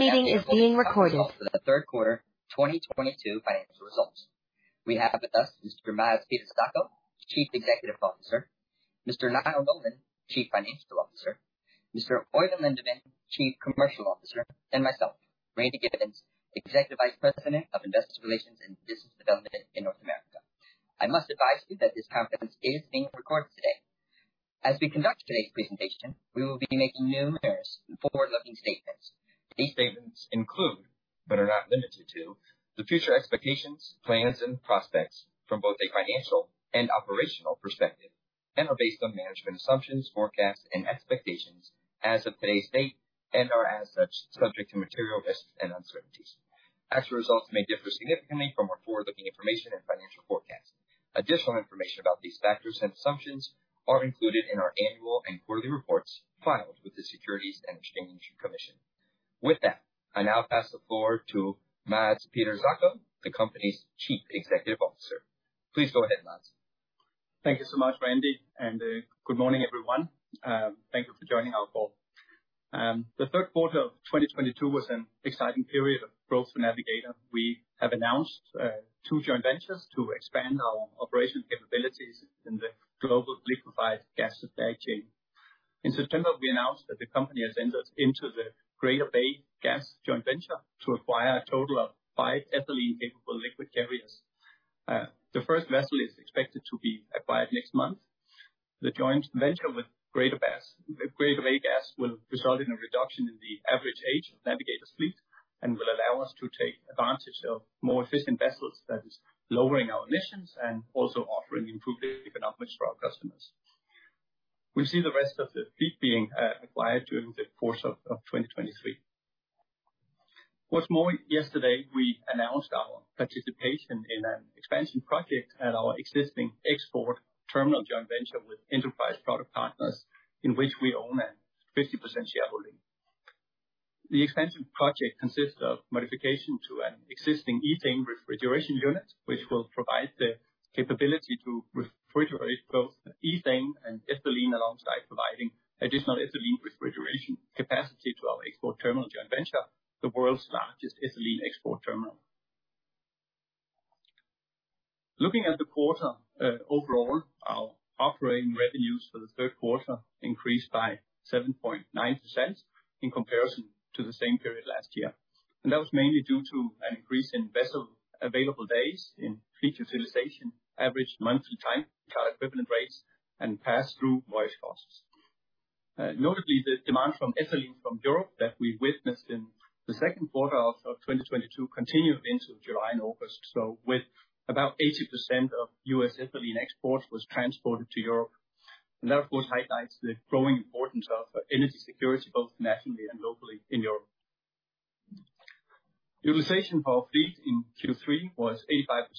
This meeting is being recorded. For the third quarter 2022 financial results. We have with us Mr. Mads Peter Zacho, Chief Executive Officer, Mr. Niall Nolan, Chief Financial Officer, Mr. Oeyvind Lindeman, Chief Commercial Officer, and myself, Randy Giveans, Executive Vice President of Investor Relations and Business Development in North America. I must advise you that this conference is being recorded today. As we conduct today's presentation, we will be making numerous forward-looking statements. These statements include, but are not limited to, the future expectations, plans, and prospects from both a financial and operational perspective, and are based on management assumptions, forecasts, and expectations as of today's date, and are as such, subject to material risks and uncertainties. Actual results may differ significantly from our forward-looking information and financial forecasts. Additional information about these factors and assumptions are included in our annual and quarterly reports filed with the Securities and Exchange Commission. With that, I now pass the floor to Mads Peter Zacho, the company's Chief Executive Officer. Please go ahead, Mads. Thank you so much, Randy, and good morning, everyone. Thank you for joining our call. The third quarter of 2022 was an exciting period of growth for Navigator. We have announced two joint ventures to expand our operations capabilities in the global liquefied gas supply chain. In September, we announced that the company has entered into the Greater Bay Gas joint venture to acquire a total of five ethylene-capable liquid carriers. The first vessel is expected to be acquired next month. The joint venture with Greater Bay Gas will result in a reduction in the average age of Navigator's fleet and will allow us to take advantage of more efficient vessels, that is lowering our emissions and also offering improved economics for our customers. We see the rest of the fleet being acquired during the course of 2023. Once more, yesterday, we announced our participation in an expansion project at our existing export terminal joint venture with Enterprise Products Partners, in which we own a 50% shareholding. The expansion project consists of modification to an existing ethane refrigeration unit, which will provide the capability to refrigerate both ethane and ethylene alongside providing additional ethylene refrigeration capacity to our export terminal joint venture, the world's largest ethylene export terminal. Looking at the quarter, overall, our operating revenues for the third quarter increased by 7.9% in comparison to the same period last year. That was mainly due to an increase in vessel available days in fleet utilization, average monthly time ton equivalent rates, and pass-through voyage costs. Notably, the demand from ethylene from Europe that we witnessed in the second quarter of 2022 continued into July and August. With about 80% of U.S. ethylene exports was transported to Europe. That of course highlights the growing importance of energy security, both nationally and globally in Europe. Utilization for our fleet in Q3 was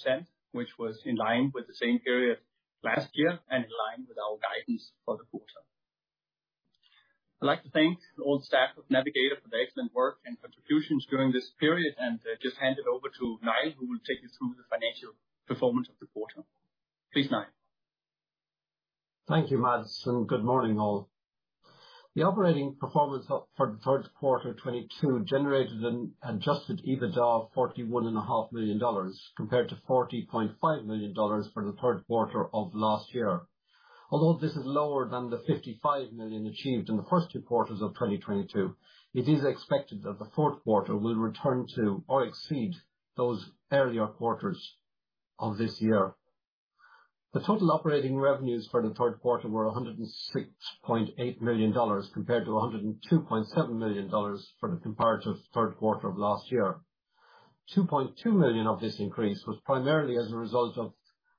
85%, which was in line with the same period last year and in line with our guidance for the quarter. I'd like to thank all staff of Navigator for the excellent work and contributions during this period, and just hand it over to Niall, who will take you through the financial performance of the quarter. Please, Niall. Thank you, Mads, and good morning, all. The operating performance for the third quarter of 2022 generated an adjusted EBITDA of $41.5 million compared to $40.5 million for the third quarter of last year. Although this is lower than the $55 million achieved in the first two quarters of 2022, it is expected that the fourth quarter will return to or exceed those earlier quarters of this year. The total operating revenues for the third quarter were $106.8 million, compared to $102.7 million for the comparative third quarter of last year. $2.2 million of this increase was primarily as a result of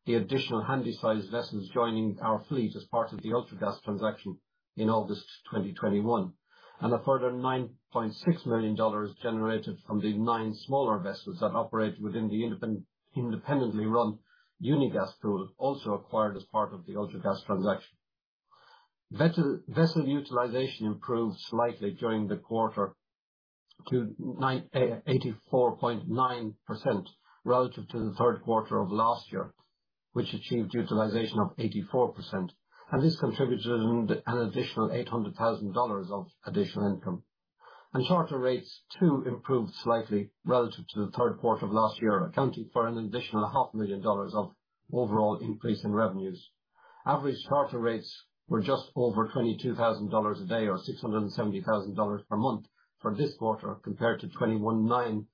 the additional Handysize vessels joining our fleet as part of the Ultragas transaction in August 2021. A further $9.6 million generated from the nine smaller vessels that operate within the independently run Unigas pool, also acquired as part of the Ultragas transaction. Vessel utilization improved slightly during the quarter to 84.9% relative to the third quarter of last year, which achieved utilization of 84%. This contributed an additional $800,000 of additional income. Charter rates too improved slightly relative to the third quarter of last year, accounting for an additional half million dollars of overall increase in revenues. Average charter rates were just over $22,000 a day, or $670,000 per month for this quarter, compared to $21,900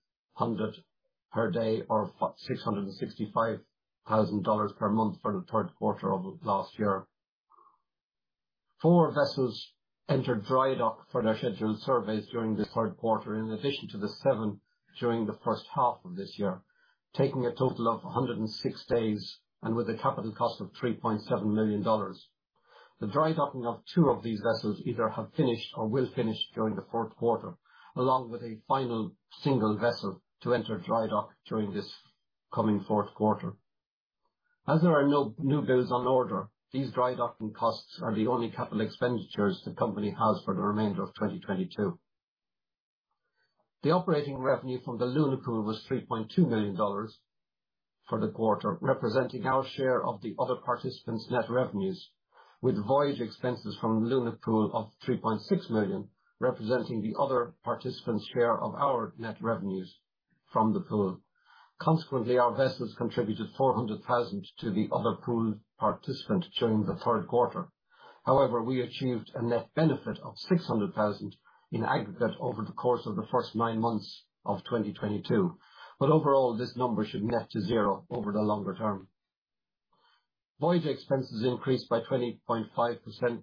per day or $665,000 per month for the third quarter of last year. Four vessels entered dry dock for their scheduled surveys during the third quarter, in addition to the seven during the first half of this year, taking a total of 106 days and with a capital cost of $3.7 million. The dry docking of two of these vessels either have finished or will finish during the fourth quarter, along with a final single vessel to enter dry dock during this coming fourth quarter. As there are no new builds on order, these dry docking costs are the only capital expenditures the company has for the remainder of 2022. The operating revenue from the Luna Pool was $3.2 million. For the quarter representing our share of the other participants' net revenues with voyage expenses from the Luna Pool of $3.6 million, representing the other participants' share of our net revenues from the pool. Consequently, our vessels contributed $400,000 to the other pool participant during the third quarter. However, we achieved a net benefit of $600,000 in aggregate over the course of the first nine months of 2022. Overall, this number should net to zero over the longer term. Voyage expenses increased by 20.5%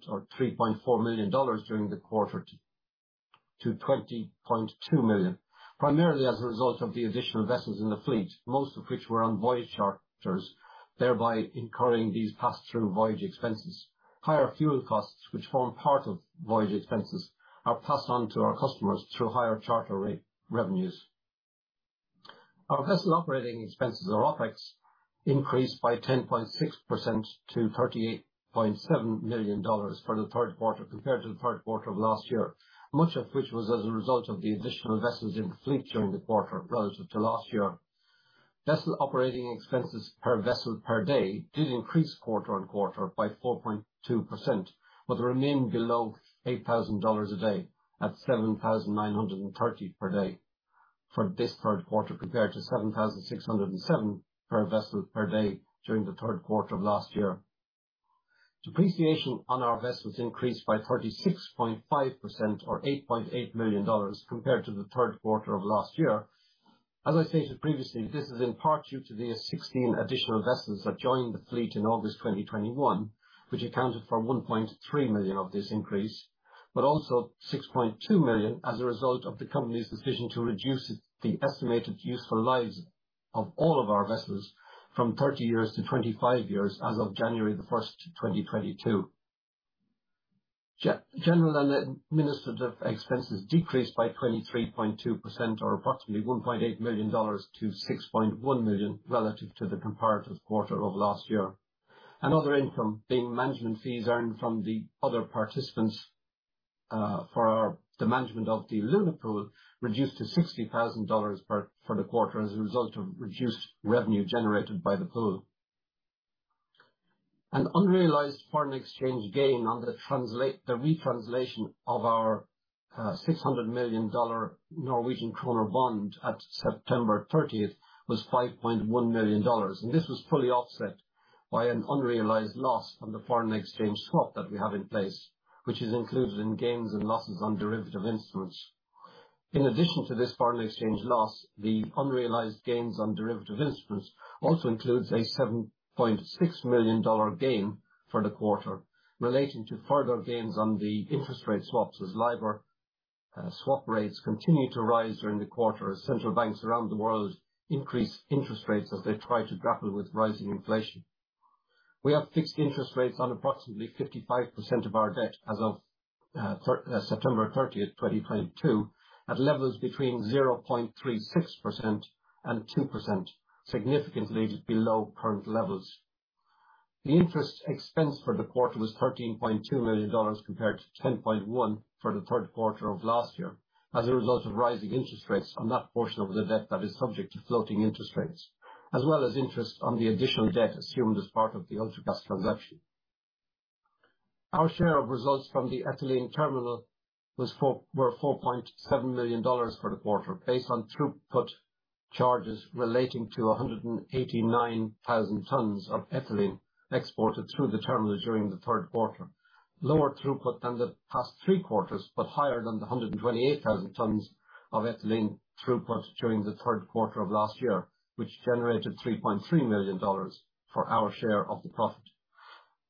or $3.4 million during the quarter to $20.2 million, primarily as a result of the additional vessels in the fleet, most of which were on voyage charters, thereby incurring these pass-through voyage expenses. Higher fuel costs, which form part of voyage expenses, are passed on to our customers through higher charter revenues. Our vessel operating expenses or OpEx increased by 10.6% to $38.7 million for the third quarter compared to the third quarter of last year, much of which was as a result of the additional vessels in the fleet during the quarter relative to last year. Vessel operating expenses per vessel per day did increase quarter-on-quarter by 4.2%, but remain below $8,000 a day at $7,930 per day for this third quarter, compared to $7,607 per vessel per day during the third quarter of last year. Depreciation on our vessels increased by 36.5% or $8.8 million compared to the third quarter of last year. As I stated previously, this is in part due to the 16 additional vessels that joined the fleet in August 2021, which accounted for $1.3 million of this increase, but also $6.2 million as a result of the company's decision to reduce the estimated useful lives of all of our vessels from 30 years to 25 years as of January 1st, 2022. General and administrative expenses decreased by 23.2% or approximately $1.8 million to $6.1 million relative to the comparative quarter of last year. Other income being management fees earned from the other participants for the management of the Luna Pool, reduced to $60,000 for the quarter as a result of reduced revenue generated by the pool. An unrealized foreign exchange gain on the re-translation of our 600 million Norwegian kroner bond at September 30th was $5.1 million, and this was fully offset by an unrealized loss on the foreign exchange swap that we have in place, which is included in gains and losses on derivative instruments. In addition to this foreign exchange loss, the unrealized gains on derivative instruments also includes a $7.6 million gain for the quarter relating to further gains on the interest rate swaps as LIBOR swap rates continued to rise during the quarter as central banks around the world increased interest rates as they try to grapple with rising inflation. We have fixed interest rates on approximately 55% of our debt as of September 30, 2022, at levels between 0.36% and 2%, significantly below current levels. The interest expense for the quarter was $13.2 million compared to $10.1 million for the third quarter of last year, as a result of rising interest rates on that portion of the debt that is subject to floating interest rates, as well as interest on the additional debt assumed as part of the Ultragas transaction. Our share of results from the ethylene terminal was $4.7 million for the quarter, based on throughput charges relating to 189,000 tons of ethylene exported through the terminal during the third quarter. Lower throughput than the past three quarters, but higher than the 128,000 tons of ethylene throughput during the third quarter of last year, which generated $3.3 million for our share of the profit.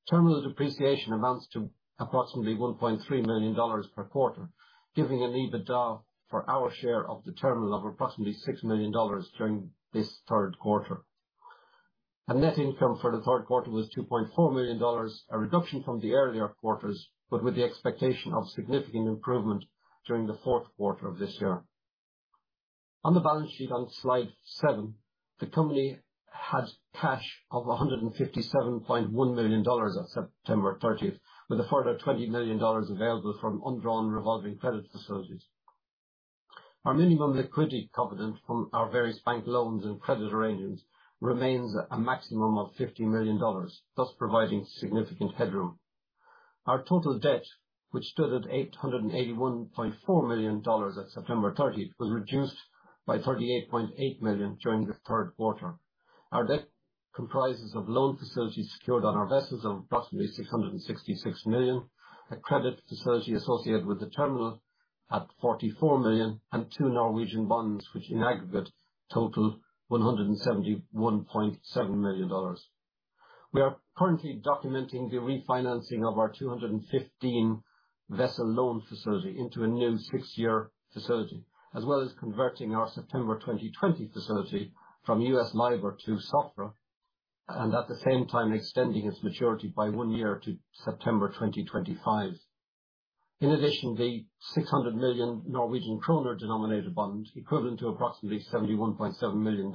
Terminal depreciation amounts to approximately $1.3 million per quarter, giving an EBITDA for our share of the terminal of approximately $6 million during this third quarter. Net income for the third quarter was $2.4 million, a reduction from the earlier quarters, but with the expectation of significant improvement during the fourth quarter of this year. On the balance sheet on Slide seven, the company had cash of $157.1 million on September 30, with a further $20 million available from undrawn revolving credit facilities. Our minimum liquidity covenant from our various bank loans and credit arrangements remains a maximum of $50 million, thus providing significant headroom. Our total debt, which stood at $881.4 million on September 30, was reduced by $38.8 million during the third quarter. Our debt comprises of loan facilities secured on our vessels of approximately $666 million, a credit facility associated with the terminal at $44 million, and two Norwegian bonds, which in aggregate total $171.7 million. We are currently documenting the refinancing of our 215-vessel loan facility into a new six-year facility, as well as converting our September 2020 facility from U.S. LIBOR to SOFR, and at the same time extending its maturity by one year to September 2025. In addition, the 600 million Norwegian kroner denominated bond, equivalent to approximately $71.7 million,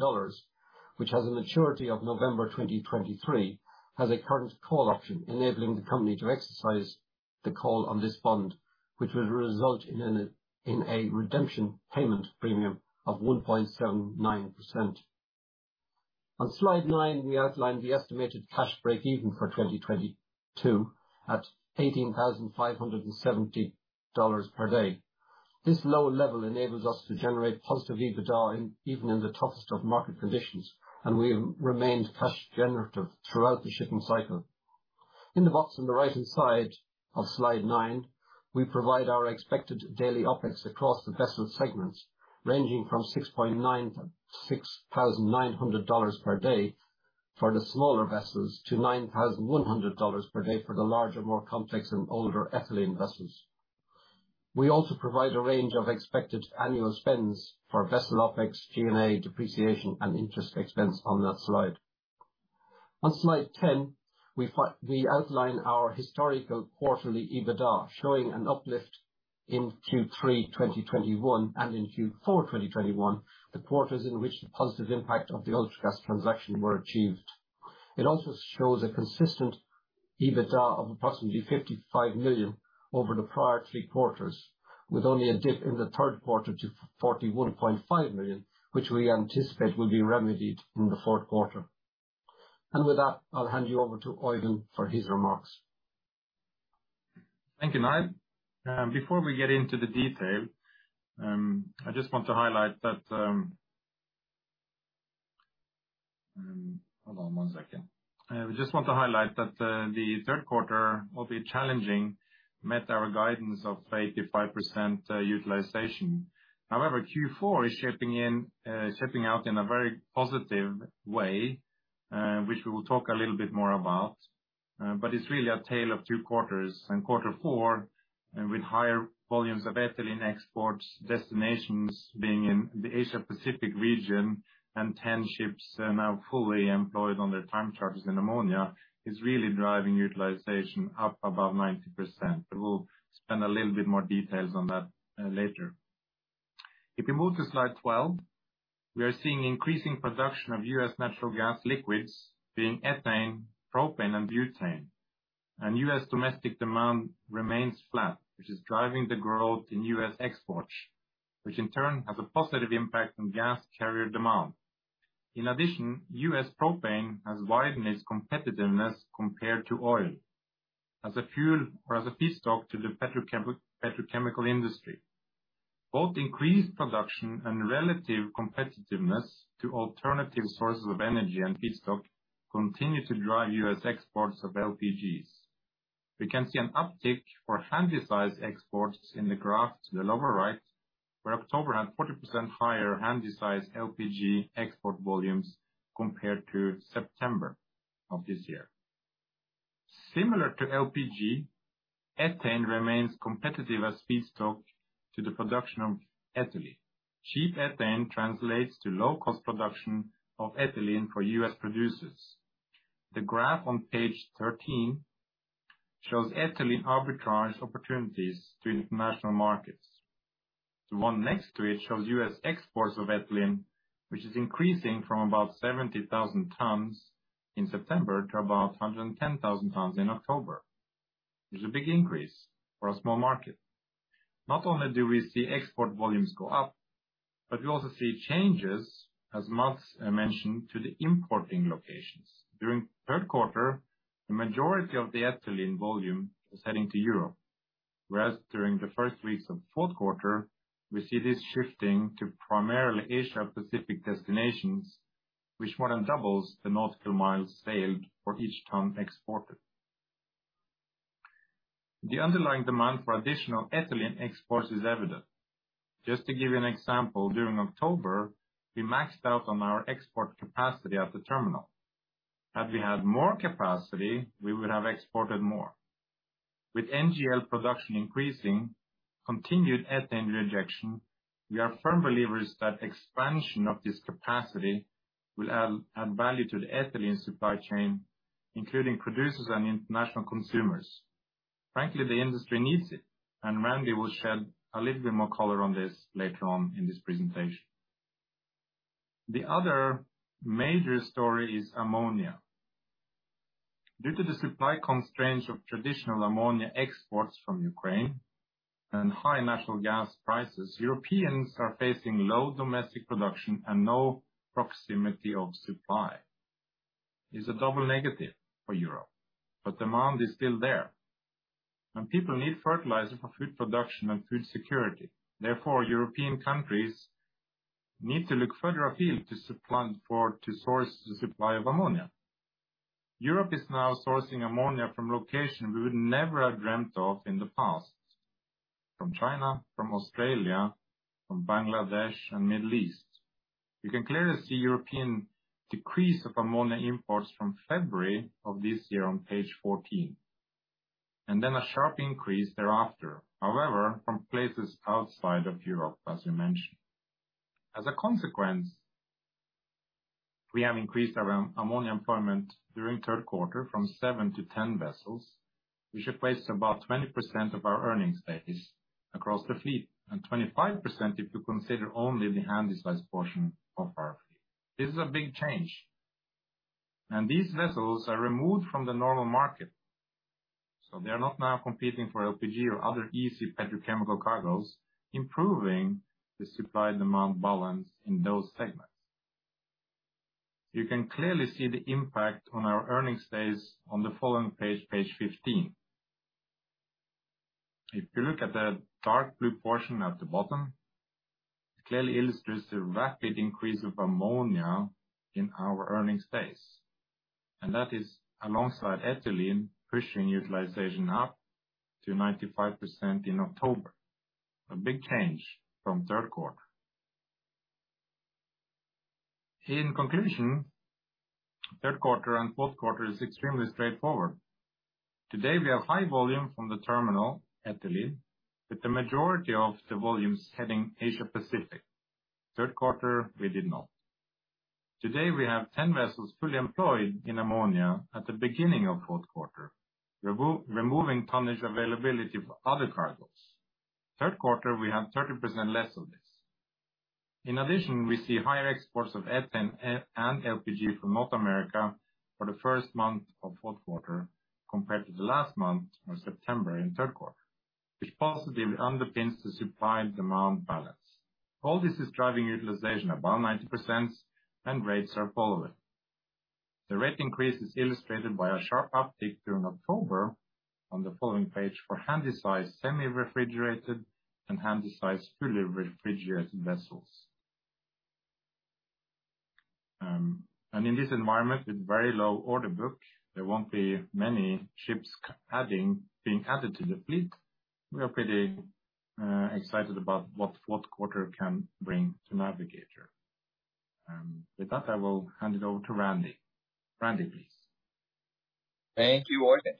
which has a maturity of November 2023, has a current call option enabling the company to exercise the call on this bond, which will result in a redemption payment premium of 1.79%. On slide nine, we outlined the estimated cash breakeven for 2022 at $18,570 per day. This low level enables us to generate positive EBITDA even in the toughest of market conditions, and we remained cash generative throughout the shipping cycle. In the box on the right-hand side of slide nine, we provide our expected daily OpEx across the vessel segments, ranging from $6,900 per day for the smaller vessels to $9,100 per day for the larger, more complex and older ethylene vessels. We also provide a range of expected annual spends for vessel OpEx, G&A, depreciation, and interest expense on that slide. On slide 10, we outline our historical quarterly EBITDA, showing an uplift in Q3 2021 and in Q4 2021, the quarters in which the positive impact of the Ultragas transaction were achieved. It also shows a consistent EBITDA of approximately $55 million over the prior three quarters, with only a dip in the third quarter to $41.5 million, which we anticipate will be remedied in the fourth quarter. With that, I'll hand you over to Oeyvind for his remarks. Thank you, Niall. Before we get into the detail, I just want to highlight that the third quarter, albeit challenging, met our guidance of 85% utilization. However, Q4 is shaping out in a very positive way, which we will talk a little bit more about. But it's really a tale of two quarters. In quarter four, with higher volumes of ethylene exports, destinations being in the Asia-Pacific region and 10 ships are now fully employed on their time charters in ammonia, is really driving utilization up above 90%. We will spend a little bit more details on that later. If you move to slide 12, we are seeing increasing production of U.S. natural gas liquids being ethane, propane, and butane. U.S. domestic demand remains flat, which is driving the growth in U.S. exports, which in turn has a positive impact on gas carrier demand. In addition, U.S. propane has widened its competitiveness compared to oil as a fuel or as a feedstock to the petrochemical industry. Both increased production and relative competitiveness to alternative sources of energy and feedstock continue to drive U.S. exports of LPGs. We can see an uptick for handysize exports in the graph to the lower right, where October had 40% higher handysize LPG export volumes compared to September of this year. Similar to LPG, ethane remains competitive as feedstock to the production of ethylene. Cheap ethane translates to low cost production of ethylene for U.S. producers. The graph on page 13 shows ethylene arbitrage opportunities to international markets. The one next to it shows U.S. exports of ethylene, which is increasing from about 70,000 tons in September to about 110,000 tons in October. It's a big increase for a small market. Not only do we see export volumes go up, but we also see changes, as Mads mentioned, to the importing locations. During the third quarter, the majority of the ethylene volume is heading to Europe. Whereas during the first weeks of fourth quarter, we see this shifting to primarily Asia-Pacific destinations, which more than doubles the nautical miles sailed for each ton exported. The underlying demand for additional ethylene exports is evident. Just to give you an example, during October, we maxed out on our export capacity at the terminal. Had we had more capacity, we would have exported more. With NGL production increasing, continued ethane rejection, we are firm believers that expansion of this capacity will add value to the ethylene supply chain, including producers and international consumers. Frankly, the industry needs it, and Randy will shed a little bit more color on this later on in this presentation. The other major story is ammonia. Due to the supply constraints of traditional ammonia exports from Ukraine and high natural gas prices, Europeans are facing low domestic production and no proximity of supply. It's a double negative for Europe, but demand is still there. People need fertilizer for food production and food security. Therefore, European countries need to look further afield to source the supply of ammonia. Europe is now sourcing ammonia from locations we would never have dreamt of in the past. From China, from Australia, from Bangladesh, and Middle East. We can clearly see European decrease of ammonia imports from February of this year on page 14, and then a sharp increase thereafter. However, from places outside of Europe, as we mentioned. As a consequence, we have increased our ammonia employment during third quarter from seven to 10 vessels. We should place about 20% of our earnings base across the fleet, and 25% if you consider only the handysize portion of our fleet. This is a big change. These vessels are removed from the normal market, so they are not now competing for LPG or other easy petrochemical cargoes, improving the supply and demand balance in those segments. You can clearly see the impact on our earnings base on the following page 15. If you look at the dark blue portion at the bottom, it clearly illustrates the rapid increase of ammonia in our earnings base. That is alongside ethylene, pushing utilization up to 95% in October, a big change from third quarter. In conclusion, third quarter and fourth quarter is extremely straightforward. Today, we have high volume from the terminal ethylene, with the majority of the volumes heading Asia-Pacific. Third quarter, we did not. Today, we have 10 vessels fully employed in ammonia at the beginning of fourth quarter, removing tonnage availability for other cargoes. Third quarter, we have 30% less of this. In addition, we see higher exports of ethane and LPG from North America for the first month of fourth quarter compared to the last month of September in third quarter, which positively underpins the supply and demand balance. All this is driving utilization above 90% and rates are followingThe rate increase is illustrated by a sharp uptick during October on the following page for Handysize semi-refrigerated and Handysize fully refrigerated vessels. In this environment with very low order book, there won't be many ships being added to the fleet. We are pretty excited about what fourth quarter can bring to Navigator. With that, I will hand it over to Randy. Randy, please. Thank you, Oeyvind.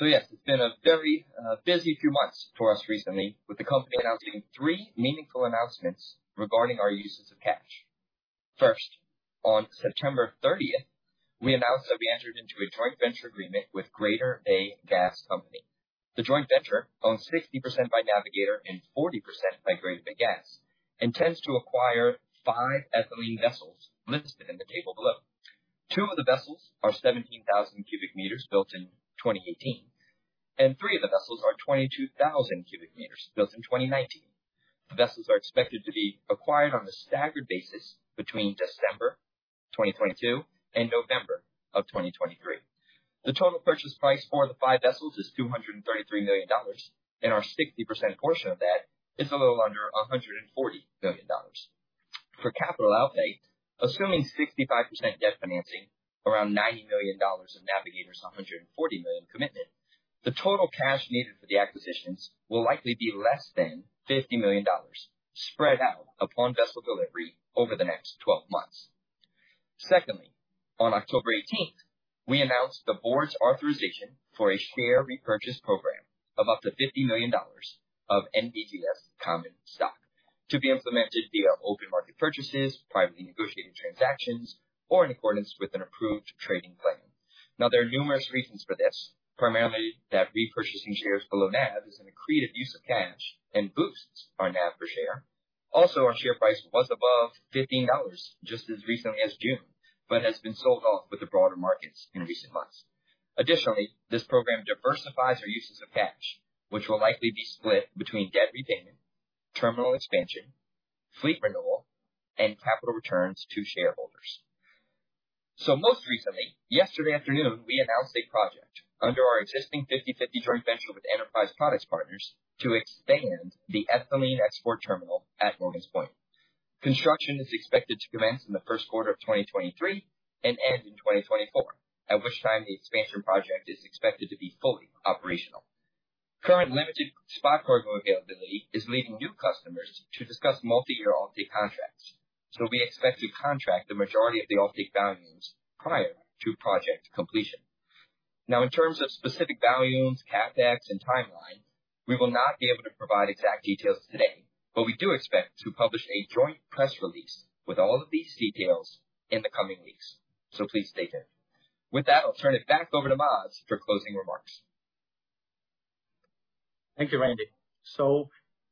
Yes, it's been a very busy few months for us recently, with the company announcing three meaningful announcements regarding our uses of cash. First, on September 30th, we announced that we entered into a joint venture agreement with Greater Bay Gas Company. The joint venture, owned 60% by Navigator and 40% by Greater Bay Gas, intends to acquire five ethylene vessels listed in the table below. Two of the vessels are 17,000 m³ built in 2018, and three of the vessels are 22,000 m³ built in 2019. The vessels are expected to be acquired on a staggered basis between December 2022 and November of 2023. The total purchase price for the five vessels is $233 million, and our 60% portion of that is a little under $140 million For capital outlay, assuming 65% debt financing, around $90 million of Navigator's $140 million commitment, the total cash needed for the acquisitions will likely be less than $50 million spread out upon vessel delivery over the next 12 months. Secondly, on October 18th, we announced the board's authorization for a share repurchase program of up to $50 million of NVGS common stock to be implemented via open market purchases, privately negotiated transactions, or in accordance with an approved trading plan. Now, there are numerous reasons for this, primarily that repurchasing shares below NAV is an accretive use of cash and boosts our NAV per share. Also, our share price was above $15 just as recently as June, but has been sold off with the broader markets in recent months. Additionally, this program diversifies our uses of cash, which will likely be split between debt repayment, terminal expansion, fleet renewal, and capital returns to shareholders. Most recently, yesterday afternoon, we announced a project under our existing 50/50 joint venture with Enterprise Products Partners to expand the ethylene export terminal at Morgan's Point. Construction is expected to commence in the first quarter of 2023 and end in 2024, at which time the expansion project is expected to be fully operational. Current limited spot cargo availability is leading new customers to discuss multi-year offtake contracts, so we expect to contract the majority of the offtake volumes prior to project completion. Now, in terms of specific volumes, CapEx, and timelines, we will not be able to provide exact details today, but we do expect to publish a joint press release with all of these details in the coming weeks. Please stay tuned. With that, I'll turn it back over to Mads for closing remarks. Thank you, Randy.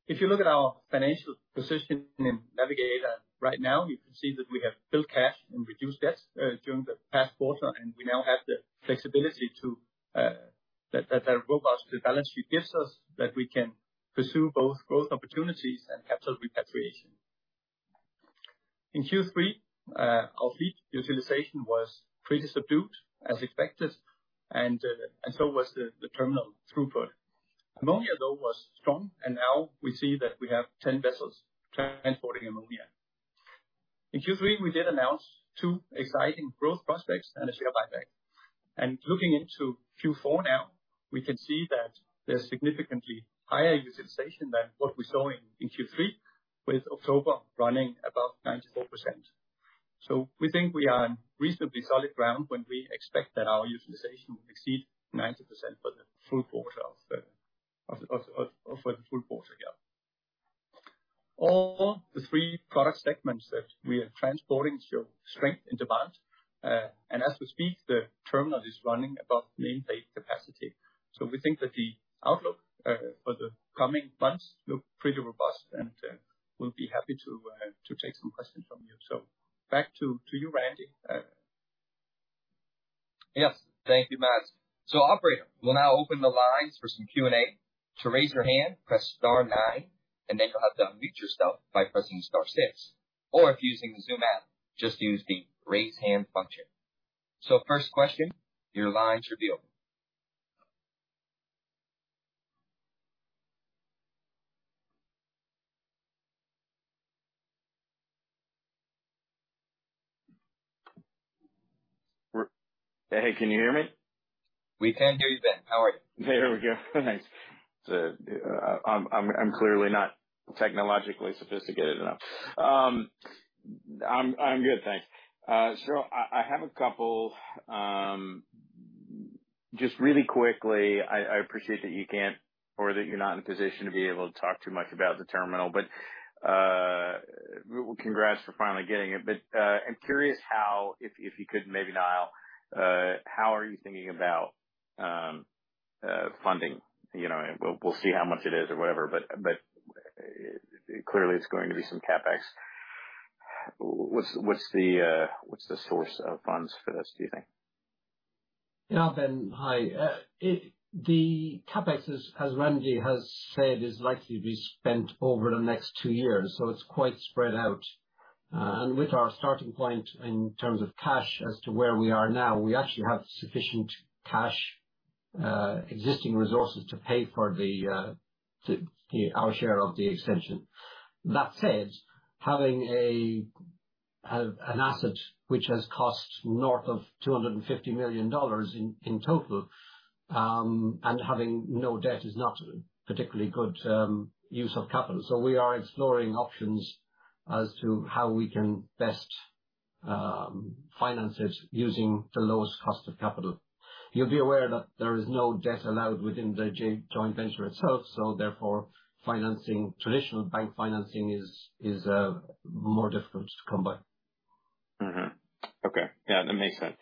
If you look at our financial position in Navigator right now, you can see that we have built cash and reduced debt during the past quarter, and we now have the flexibility that our robust balance sheet gives us, that we can pursue both growth opportunities and capital repatriation. In Q3, our fleet utilization was pretty subdued as expected and so was the terminal throughput. Ammonia, though, was strong, and now we see that we have 10 vessels transporting ammonia. In Q3, we did announce two exciting growth prospects and a share buyback. Looking into Q4 now, we can see that there's significantly higher utilization than what we saw in Q3 with October running above 94%. We think we are on reasonably solid ground when we expect that our utilization will exceed 90% for the full quarter. All the three product segments that we are transporting show strength in demand, and as we speak, the terminal is running above nameplate capacity. We think that the outlook for the coming months look pretty robust, and we'll be happy to take some questions from you. Back to you, Randy. Yes. Thank you, Mads. Operator, we'll now open the lines for some Q and A. To raise your hand, press star nine, and then you'll have to unmute yourself by pressing star six. If you're using the Zoom app, just use the Raise Hand function. First question, your line's revealed. Hey, can you hear me? We can hear you, Ben. How are you? There we go. Thanks. I'm clearly not technologically sophisticated enough. I'm good, thanks. I have a couple. Just really quickly, I appreciate that you can't or that you're not in a position to be able to talk too much about the terminal, but congrats for finally getting it. I'm curious how, if you could maybe detail how are you thinking about funding. You know, we'll see how much it is or whatever, but clearly it's going to be some CapEx. What's the source of funds for this, do you think? Yeah, Ben. Hi. The CapEx, as Randy has said, is likely to be spent over the next two years, so it's quite spread out. With our starting point in terms of cash as to where we are now, we actually have sufficient cash, existing resources to pay for our share of the extension. That said, having an asset which has cost north of $250 million in total, and having no debt is not a particularly good use of capital. We are exploring options as to how we can best finance it using the lowest cost of capital. You'll be aware that there is no debt allowed within the joint venture itself, so therefore financing, traditional bank financing is more difficult to come by. Mm-hmm. Okay. Yeah, that makes sense.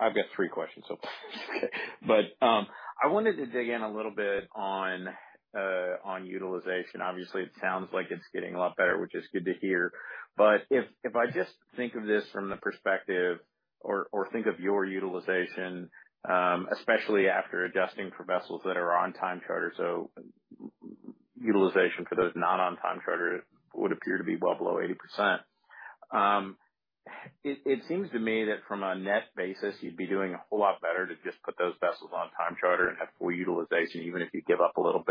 I've got three questions, but I wanted to dig in a little bit on utilization. Obviously, it sounds like it's getting a lot better, which is good to hear. I just think of this from the perspective or think of your utilization, especially after adjusting for vessels that are on time charter, so utilization for those not on time charter would appear to be well below 80%. It seems to me that from a net basis, you'd be doing a whole lot better to just put those vessels on time charter and have full utilization, even if you give up a little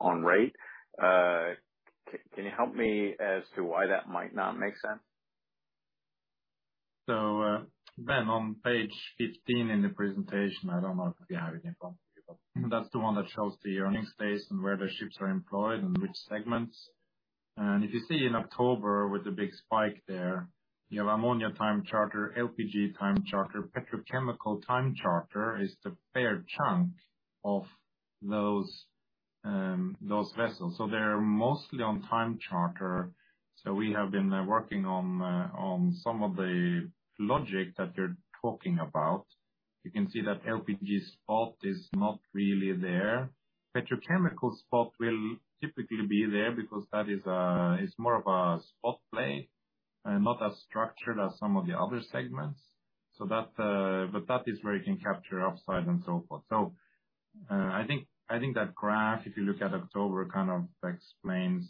bit on rate. Can you help me as to why that might not make sense? Ben, on page 15 in the presentation, I don't know if you have it in front of you, but that's the one that shows the earnings base and where the ships are employed and which segments. If you see in October with the big spike there, you have ammonia time charter, LPG time charter. Petrochemical time charter is the fair chunk of those vessels. They're mostly on time charter. We have been working on some of the logic that you're talking about. You can see that LPG spot is not really there. Petrochemical spot will typically be there because that is more of a spot play and not as structured as some of the other segments. But that is where you can capture upside and so forth. I think that graph, if you look at October, kind of explains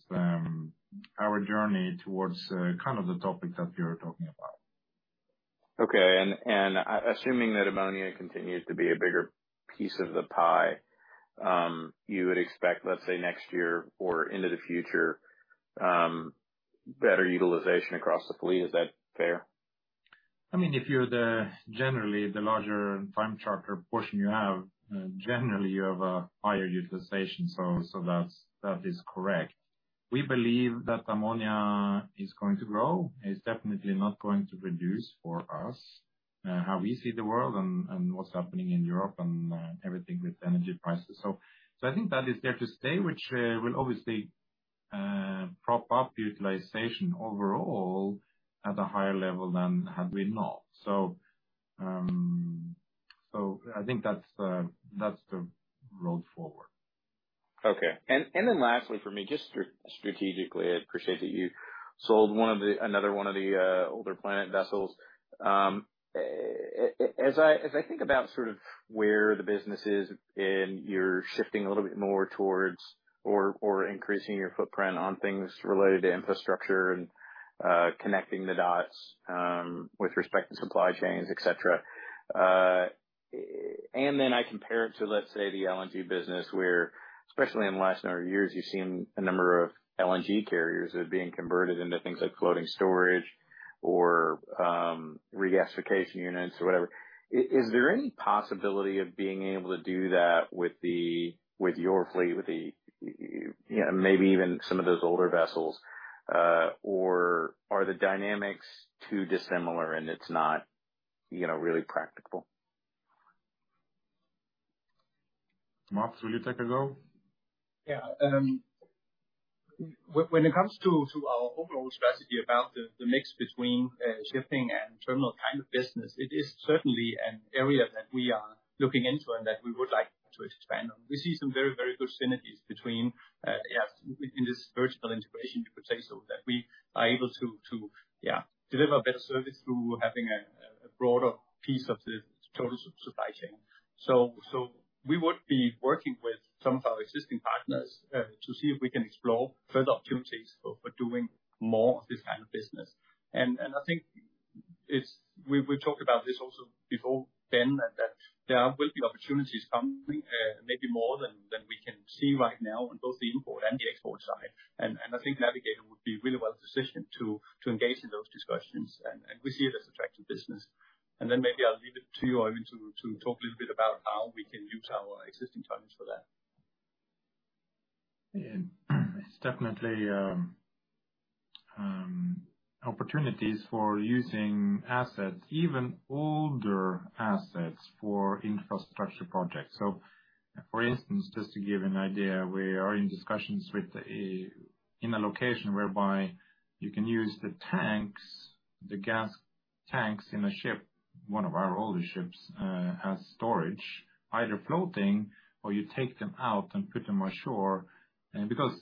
our journey towards kind of the topic that you're talking about. Okay. Assuming that ammonia continues to be a bigger piece of the pie, you would expect, let's say, next year or into the future, better utilization across the fleet. Is that fair? I mean, if you generally have the larger time charter portion, you have a higher utilization. That is correct. We believe that ammonia is going to grow. It's definitely not going to reduce for us, how we see the world and what's happening in Europe and everything with energy prices. I think that is there to stay, which will obviously prop up utilization overall at a higher level than had we not. I think that's the road forward. Okay. Then lastly for me, just strategically, I appreciate that you sold another one of the older planet vessels. As I think about sort of where the business is and you're shifting a little bit more towards or increasing your footprint on things related to infrastructure and connecting the dots with respect to supply chains, et cetera. I compare it to, let's say, the LNG business, where especially in the last number of years, you've seen a number of LNG carriers that are being converted into things like floating storage or regasification units or whatever. Is there any possibility of being able to do that with your fleet, you know, maybe even some of those older vessels? Are the dynamics too dissimilar and it's not, you know, really practical? Mads, will you take a go? Yeah. When it comes to our overall strategy about the mix between shipping and terminal kind of business, it is certainly an area that we are looking into and that we would like to expand on. We see some very good synergies between yeah, in this vertical integration, to put it so, that we are able to yeah, deliver better service through having a broader piece of the total supply chain. We would be working with some of our existing partners to see if we can explore further opportunities for doing more of this kind of business. I think it's. We talked about this also before, Ben, and that there will be opportunities coming, maybe more than we can see right now on both the import and the export side. I think Navigator would be really well positioned to engage in those discussions. We see it as attractive business. Maybe I'll leave it to you, Oeyvind, to talk a little bit about how we can use our existing terminals for that. Yeah. It's definitely opportunities for using assets, even older assets, for infrastructure projects. For instance, just to give an idea, we are in discussions in a location whereby you can use the tanks, the gas tanks in a ship, one of our older ships, as storage, either floating or you take them out and put them on shore. Because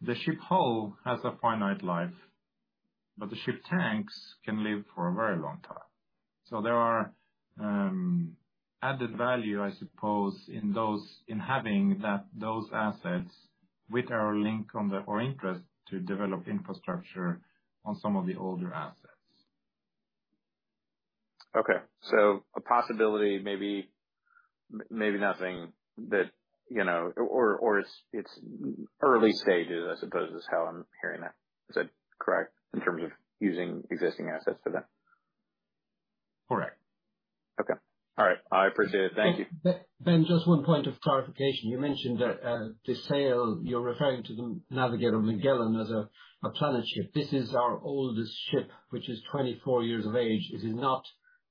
the ship hull has a finite life, but the ship tanks can live for a very long time. There are added value, I suppose, in those, in having that, those assets with our link or interest to develop infrastructure on some of the older assets. Okay. A possibility, maybe nothing that, you know, or it's early stages, I suppose, is how I'm hearing that. Is that correct? In terms of using existing assets for that. Correct. Okay. All right. I appreciate it. Thank you. Ben, just one point of clarification. You mentioned that, the sale, you're referring to the Navigator Magellan as a planet ship. This is our oldest ship, which is 24 years of age. It is not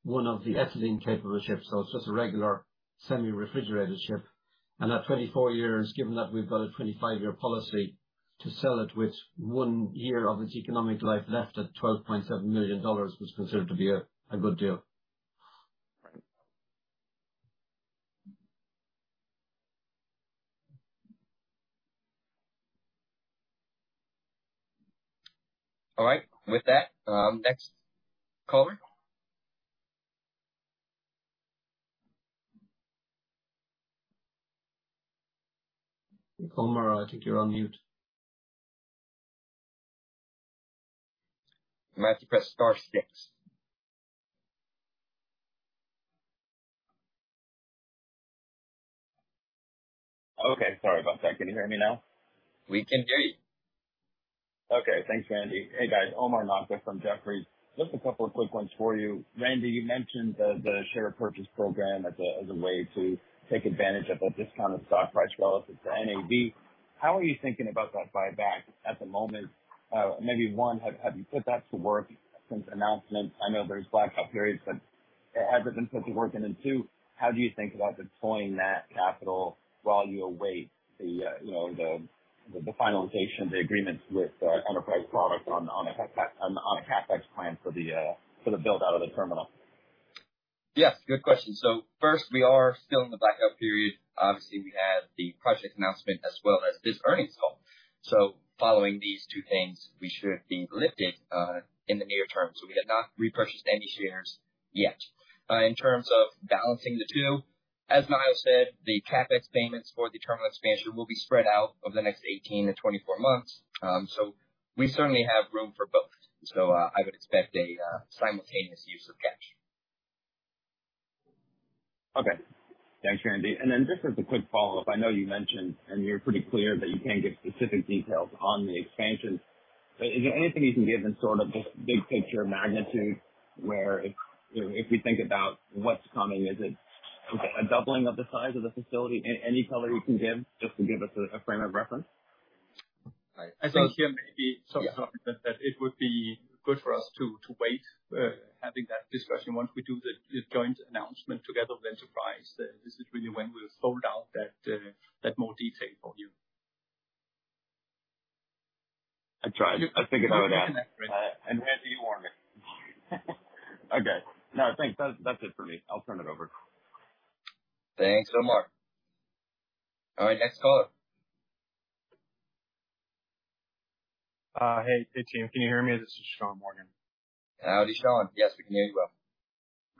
one of the ethylene-capable ships, so it's just a regular semi-refrigerated ship. At 24 years, given that we've got a 25-year policy to sell it with one year of its economic life left at $12.7 million was considered to be a good deal. All right. With that, next caller. Omar, I think you're on mute. You have to press star six. Okay, sorry about that. Can you hear me now? We can hear you. Okay. Thanks, Randy. Hey, guys. Omar Nokta from Jefferies. Just a couple of quick ones for you. Randy, you mentioned the share purchase program as a way to take advantage of a discounted stock price relative to NAV. How are you thinking about that buyback at the moment? Maybe one, have you put that to work since announcement? I know there's blackout periods, but has it been put to work? Two, how do you think about deploying that capital while you await you know the finalization of the agreements with Enterprise Products on a CapEx plan for the build-out of the terminal? Yes, good question. First, we are still in the blackout period. Obviously, we had the project announcement as well as this earnings call. Following these two things, we should be lifted in the near term. We have not repurchased any shares yet. In terms of balancing the two, as Niall said, the CapEx payments for the terminal expansion will be spread out over the next 18-24 months. We certainly have room for both. I would expect a simultaneous use of cash. Okay. Thanks, Randy. Just as a quick follow-up, I know you mentioned, and you're pretty clear that you can't give specific details on the expansion. Is there anything you can give in sort of just big picture magnitude where if, you know, if we think about what's coming, is it a doubling of the size of the facility? Any color you can give just to give us a frame of reference? Sorry. Yeah. That it would be good for us to wait having that discussion once we do the joint announcement together with Enterprise. This is really when we'll roll out that more detail for you. I tried. I figured I would ask. Randy, you warned me. Okay. No, thanks. That's it for me. I'll turn it over. Thanks, Omar. All right, next caller. Hey. Hey, team, can you hear me? This is Sean Morgan. How are you, Sean. Yes, we can hear you well.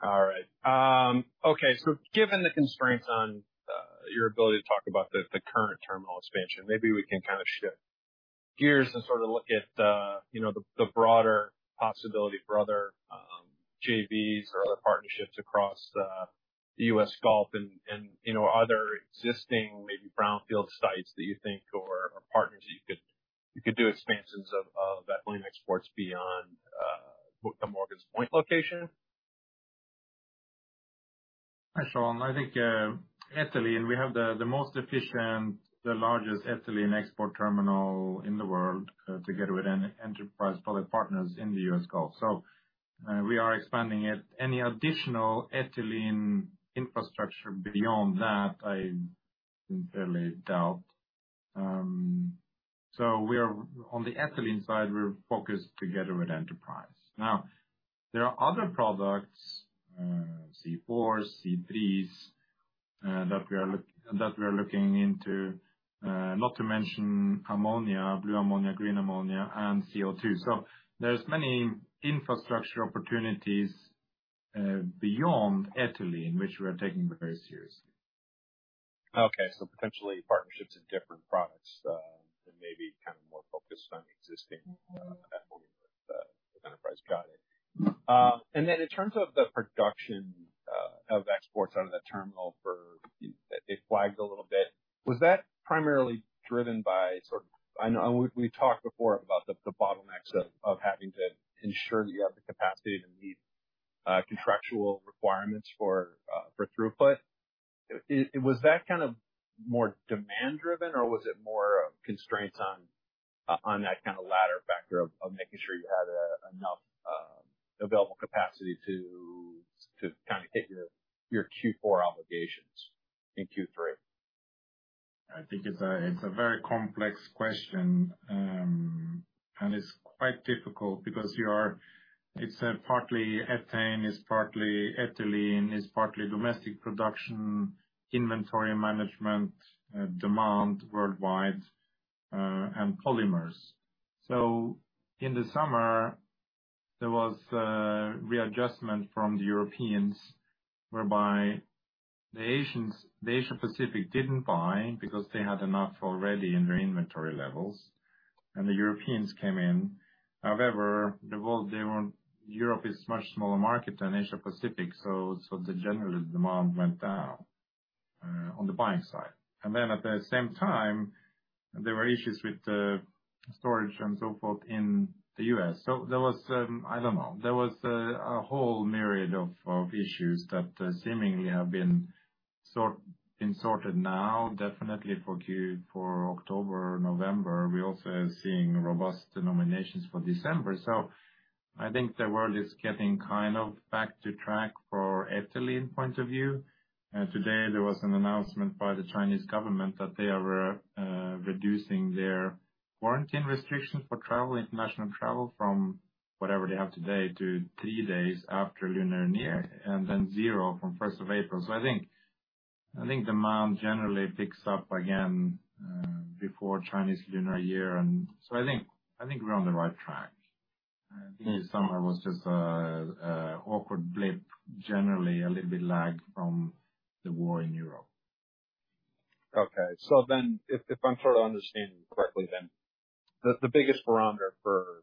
All right. Okay. Given the constraints on your ability to talk about the current terminal expansion, maybe we can kind of shift gears and sort of look at you know, the broader possibilities for other JVs or other partnerships across the U.S. Gulf and you know, other existing maybe brownfield sites that you think or partners that you could do expansions of ethylene exports beyond the Morgan's Point location. Hi, Sean. I think, ethylene, we have the most efficient, the largest ethylene export terminal in the world, together with Enterprise Products Partners in the U.S. Gulf. We are expanding it. Any additional ethylene infrastructure beyond that, I sincerely doubt. We are on the ethylene side, we're focused together with Enterprise. Now, there are other products, C4s, C3s, that we are looking into, not to mention ammonia, blue ammonia, green ammonia and CO2. There's many infrastructure opportunities beyond ethylene, which we are taking very seriously. Okay. Potentially partnerships in different products than maybe kind of more focused on existing ethylene with Enterprise. Got it. In terms of the production of exports out of the terminal. It flagged a little bit. Was that primarily driven by I know we talked before about the bottlenecks of having to ensure that you have the capacity to meet contractual requirements for throughput? Was that kind of more demand driven or was it more constraints on that kind of latter factor of making sure you had enough available capacity to kind of hit your Q4 obligations in Q3? I think it's a very complex question, and it's quite difficult because it's partly ethane, it's partly ethylene, it's partly domestic production, inventory management, demand worldwide, and polymers. In the summer, there was a readjustment from the Europeans whereby the Asia Pacific didn't buy because they had enough already in their inventory levels, and the Europeans came in. However, Europe is much smaller market than Asia Pacific, so the general demand went down on the buying side. At the same time, there were issues with the storage and so forth in the U.S. There was a whole myriad of issues that seemingly have been sorted now, definitely for October, November. We're also seeing robust nominations for December. I think the world is getting kind of back on track from an ethylene point of view. Today there was an announcement by the Chinese government that they are reducing their quarantine restrictions for international travel from whatever they have today to three days after Lunar New Year, and then zero from first of April. I think demand generally picks up again before Chinese New Year. I think we're on the right track. I think the summer was just an awkward blip, generally a little bit lagged from the war in Europe. If I'm sort of understanding correctly, then the biggest parameter for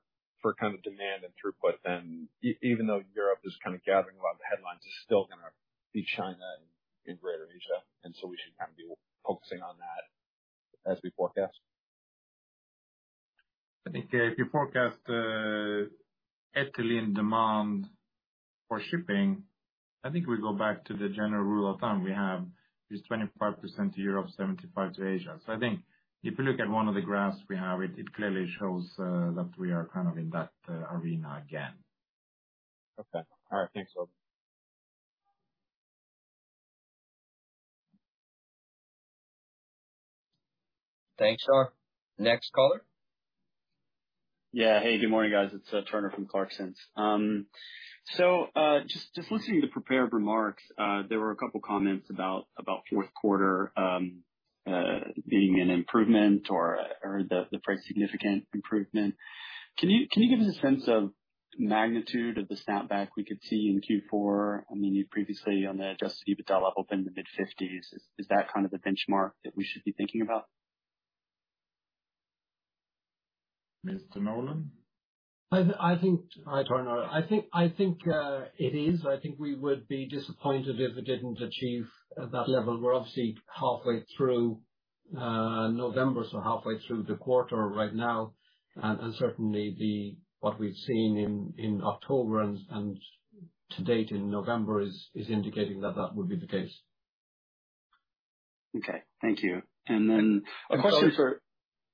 kind of demand and throughput then, even though Europe is kind of gathering a lot of the headlines, is still gonna be China and greater Asia, and so we should kind of be focusing on that as we forecast? I think if you forecast ethylene demand for shipping, I think we go back to the general rule of thumb we have, is 25% to Europe, 75% to Asia. I think if you look at one of the graphs we have, it clearly shows that we are kind of in that arena again. Okay. All right. Thanks, Oeyvind. Thanks, Sean. Next caller. Yeah. Hey, good morning, guys. It's Turner from Clarksons. Just listening to prepared remarks, there were a couple of comments about fourth quarter being an improvement or the pretty significant improvement. Can you give us a sense of magnitude of the snapback we could see in Q4? I mean, you previously on the adjusted EBITDA up open in the mid-fifties. Is that kind of the benchmark that we should be thinking about? Mr. Nolan. Hi, Turner. I think it is. I think we would be disappointed if it didn't achieve that level. We're obviously halfway through November, so halfway through the quarter right now. Certainly what we've seen in October and to date in November is indicating that that would be the case. Okay. Thank you. A question for-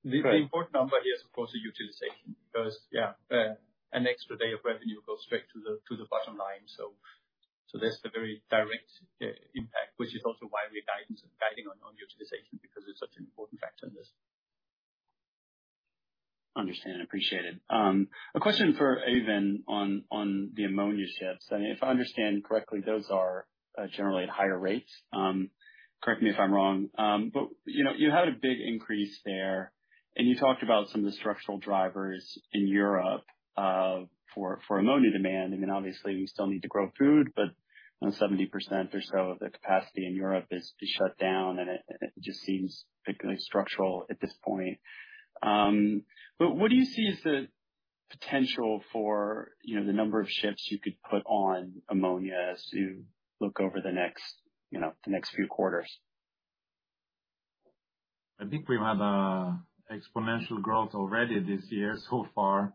The important number here is, of course, the utilization. Because an extra day of revenue goes straight to the bottom line. That's the very direct impact, which is also why we're guiding on utilization because it's such an important factor in this. Understand and appreciate it. A question for Oeyvind on the ammonia ships. I mean, if I understand correctly, those are generally at higher rates. Correct me if I'm wrong. You know, you had a big increase there, and you talked about some of the structural drivers in Europe for ammonia demand. I mean, obviously, we still need to grow food, but you know, 70% or so of the capacity in Europe is shut down, and it just seems particularly structural at this point. What do you see is the potential for the number of ships you could put on ammonia as you look over the next few quarters? I think we've had an exponential growth already this year so far.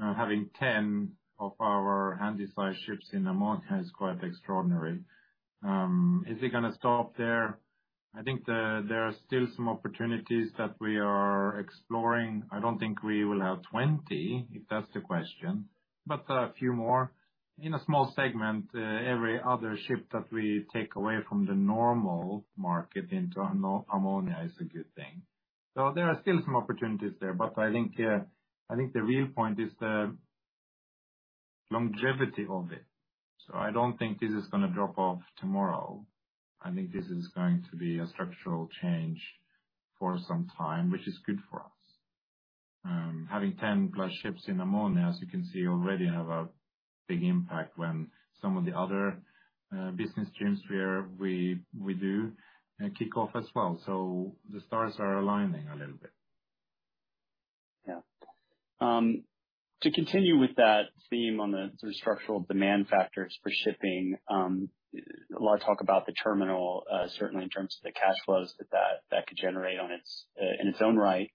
Having 10 of our Handysize ships in ammonia is quite extraordinary. Is it gonna stop there? I think there are still some opportunities that we are exploring. I don't think we will have 20, if that's the question, but a few more. In a small segment, every other ship that we take away from the normal market into ammonia is a good thing. There are still some opportunities there, but I think the real point is the longevity of it. I don't think this is gonna drop off tomorrow. I think this is going to be a structural change for some time, which is good for us. Having 10+ ships in ammonia, as you can see, already have a big impact when some of the other business streams where we do kick off as well. The stars are aligning a little bit. Yeah. To continue with that theme on the sort of structural demand factors for shipping, a lot of talk about the terminal, certainly in terms of the cash flows that could generate in its own right.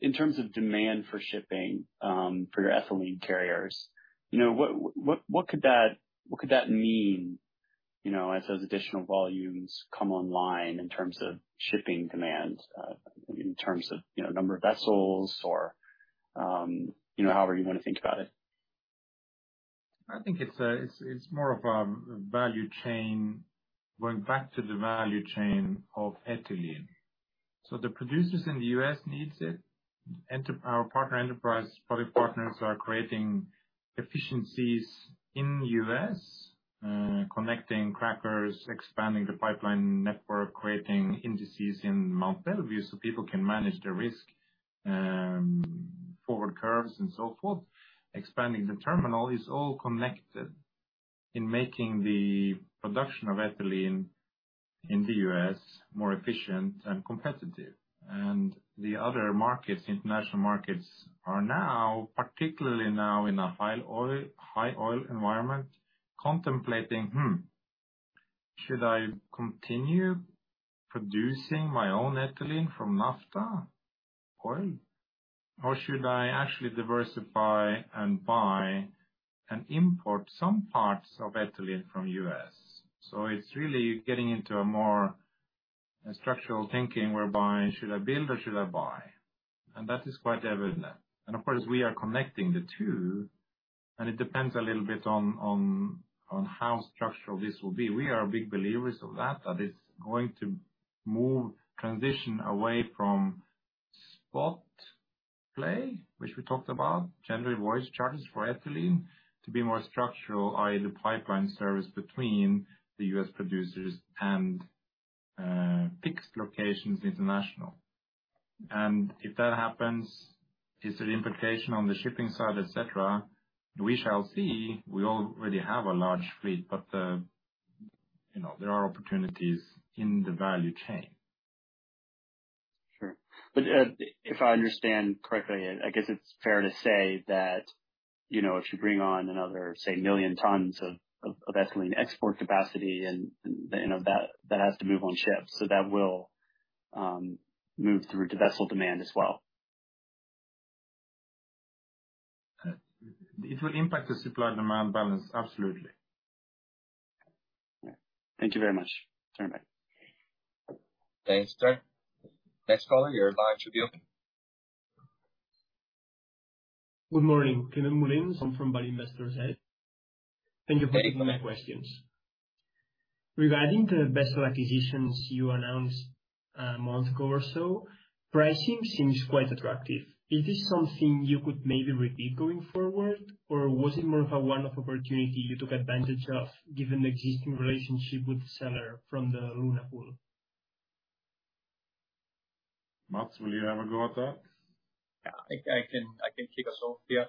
In terms of demand for shipping for your ethylene carriers, you know, what could that mean, you know, as those additional volumes come online in terms of shipping demand, in terms of, you know, number of vessels or, you know, however you wanna think about it? I think it's more of value chain, going back to the value chain of ethylene. The producers in the U.S. needs it. Our partner, Enterprise Products Partners, are creating efficiencies in the U.S., connecting crackers, expanding the pipeline network, creating indices in Mont Belvieu, so people can manage their risk, forward curves and so forth. Expanding the terminal is all connected in making the production of ethylene in the U.S. More efficient and competitive. The other markets, international markets, are now, particularly now in a high oil environment, contemplating, "Hmm, should I continue producing my own ethylene from naphtha oil, or should I actually diversify and buy and import some parts of ethylene from U.S.?" It's really getting into a more structural thinking whereby should I build or should I buy? That is quite evident. Of course, we are connecting the two, and it depends a little bit on how structural this will be. We are big believers of that it's going to move transition away from spot play, which we talked about, generally voyage charters for ethylene to be more structural, id est the pipeline service between the U.S. producers and fixed locations international. If that happens, is there implication on the shipping side, et cetera? We shall see. We already have a large fleet, but you know, there are opportunities in the value chain. Sure. If I understand correctly, I guess it's fair to say that, you know, if you bring on another, say, 1 million tons of ethylene export capacity and, you know, that has to move on ships, that will move through to vessel demand as well. It will impact the supply and demand balance, absolutely. Yeah. Thank you very much. Stand by. Thanks, Turner. Next caller, you're live to be open. Good morning, Climent Molins from Value Investors Edge. Thank you for taking my questions. Regarding the vessel acquisitions you announced a month ago or so, pricing seems quite attractive. Is this something you could maybe repeat going forward, or was it more of a one-off opportunity you took advantage of, given the existing relationship with the seller from the Luna Pool? Mads, will you have a go at that? Yeah. I can kick us off here.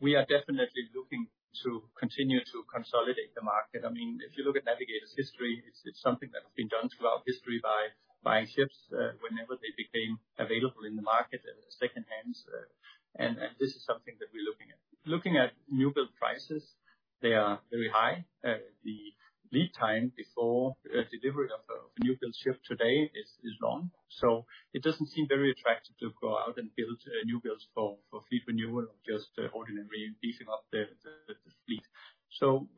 We are definitely looking to continue to consolidate the market. I mean, if you look at Navigator's history, it's something that has been done throughout history by buying ships, whenever they became available in the market as second-hands. This is something that we're looking at. Looking at new build prices, they are very high. The lead time before delivery of a new build ship today is long. It doesn't seem very attractive to go out and build new builds for fleet renewal or just ordinarily beefing up the fleet.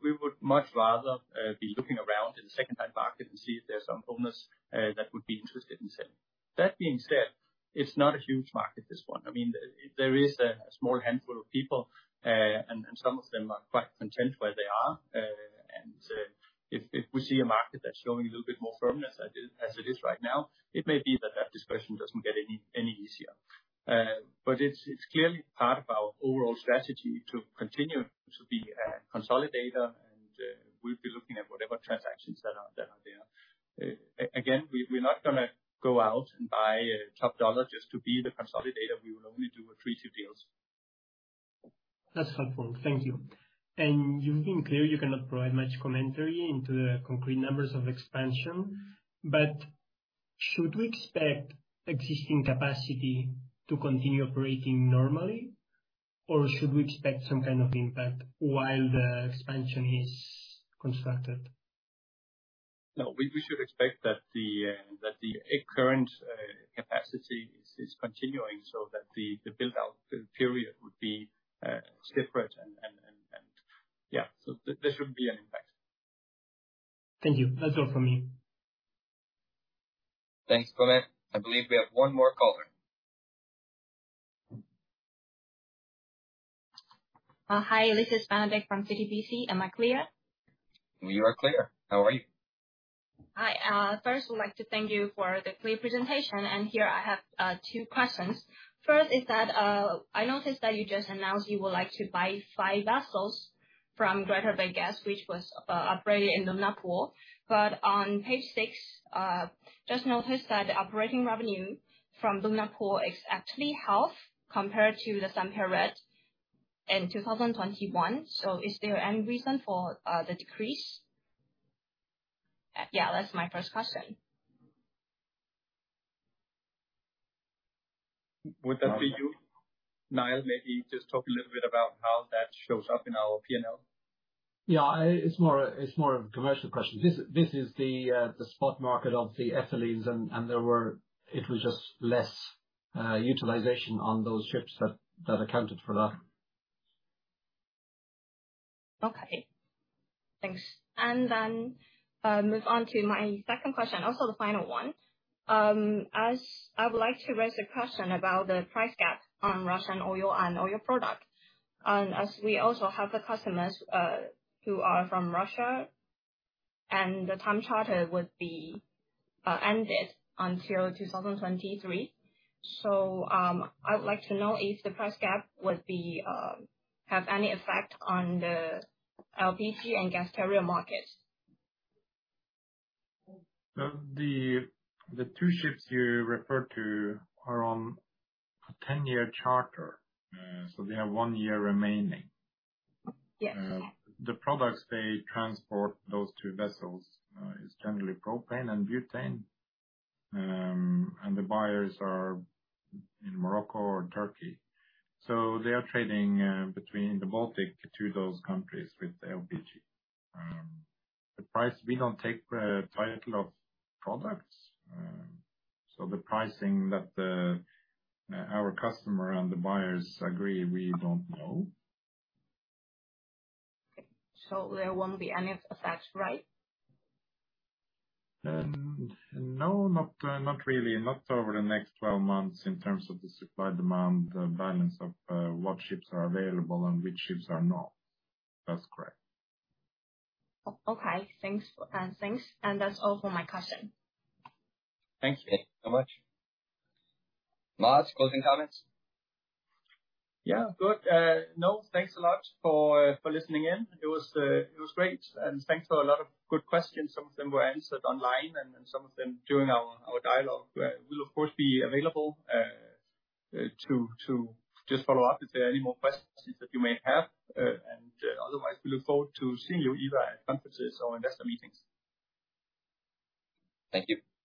We would much rather be looking around in the second-hand market and see if there's some owners that would be interested in selling. That being said, it's not a huge market, this one. I mean, there is a small handful of people, and some of them are quite content where they are. If we see a market that's showing a little bit more firmness as it is right now, it may be that discussion doesn't get any easier. It's clearly part of our overall strategy to continue to be a consolidator, and we'll be looking at whatever transactions that are there. Again, we're not gonna go out and buy top dollar just to be the consolidator. We will only do accretive deals. That's helpful. Thank you. You've been clear you cannot provide much commentary into the concrete numbers of expansion. Should we expect existing capacity to continue operating normally, or should we expect some kind of impact while the expansion is constructed? No, we should expect that the current capacity is continuing so that the build-out period would be separate and. Yeah. There should be an impact. Thank you. That's all from me. Thanks, Climent. I believe we have one more caller. Hi, this is Benedict from Citi. Am I clear? You are clear. How are you? Hi. First we'd like to thank you for the clear presentation. Here I have two questions. First is that I noticed that you just announced you would like to buy five vessels from Greater Bay Gas, which was operated in Luna Pool. On page six, just noticed that operating revenue from Luna Pool is actually half compared to the same period in 2021. Is there any reason for the decrease? Yeah, that's my first question. Would that be you, Niall? Maybe just talk a little bit about how that shows up in our P&L. Yeah. It's more of a commercial question. This is the spot market of the ethylenes, and it was just less utilization on those ships that accounted for that. Okay. Thanks. Move on to my second question, also the final one. As I would like to raise a question about the price gap on Russian oil and oil product. As we also have the customers who are from Russia, and the time charter would be ended until 2023. I would like to know if the price gap would have any effect on the LPG and gas carrier market. The two ships you referred to are on a 10-year charter. They have one year remaining. Yes. The products they transport, those two vessels, is generally propane and butane. The buyers are in Morocco or Turkey. They are trading between the Baltic to those countries with LPG. The price we don't take title of products. The pricing that our customer and the buyers agree, we don't know. There won't be any effect, right? No, not really. Not over the next 12 months in terms of the supply-demand balance of what ships are available and which ships are not. That's correct. Okay. Thanks. Thanks. That's all for my question. Thank you so much. Mads, closing comments? Yeah. Good. No, thanks a lot for listening in. It was great. Thanks for a lot of good questions. Some of them were answered online and some of them during our dialogue. We'll of course be available to just follow up if there are any more questions that you may have. Otherwise we look forward to seeing you either at conferences or investor meetings. Thank you.